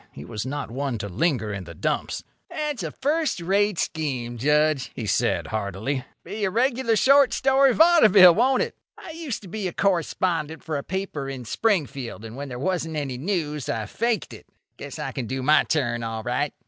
He was not one to linger in the dumps. "That's a first rate scheme, Judge," he said, heartily. "Be a regular short story vaudeville, won't it? I used to be correspondent for a paper in Springfield, and when there wasn't any news I faked it. Guess I can do my turn all right."